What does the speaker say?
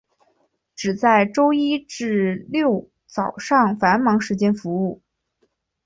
只在周一至六早上繁忙时间服务。